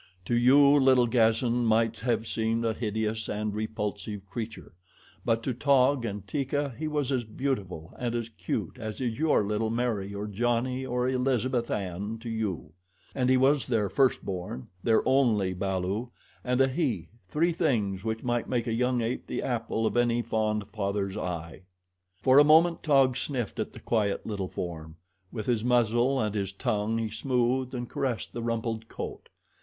To you little Gazan might have seemed a hideous and repulsive creature, but to Taug and Teeka he was as beautiful and as cute as is your little Mary or Johnnie or Elizabeth Ann to you, and he was their firstborn, their only balu, and a he three things which might make a young ape the apple of any fond father's eye. For a moment Taug sniffed at the quiet little form. With his muzzle and his tongue he smoothed and caressed the rumpled coat.